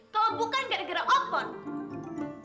kalo bukan gak ada gara gara apa apa